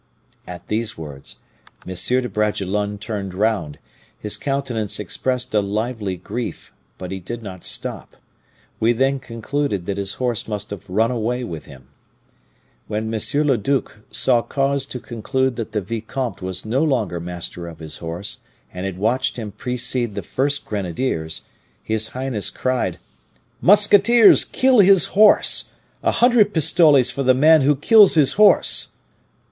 "At these words M. de Bragelonne turned round; his countenance expressed a lively grief, but he did not stop; we then concluded that his horse must have run away with him. When M. le duc saw cause to conclude that the vicomte was no longer master of his horse, and had watched him precede the first grenadiers, his highness cried, 'Musketeers, kill his horse! A hundred pistoles for the man who kills his horse!